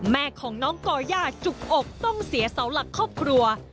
แม่ของน้องก่อย่าจุกอกต้องเสียเสาหลักครอบครัว